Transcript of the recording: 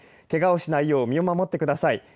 けがをしないように身を守ってください。